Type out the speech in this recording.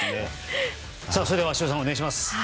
それでは鷲尾さんお願いします。